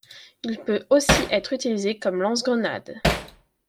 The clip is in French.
Il peut aussi être utilisé comme lance grenades.